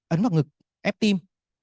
ấn vào ngực ép tim